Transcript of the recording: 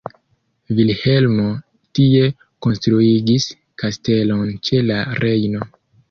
Vilhelmo tie konstruigis kastelon ĉe la Rejno.